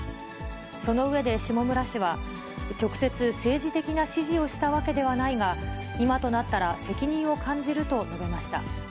その上で、下村氏は、直接、政治的な指示をしたわけではないが、今となったら責任を感じると述べました。